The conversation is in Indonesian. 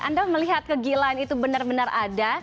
anda melihat kegilaan itu benar benar ada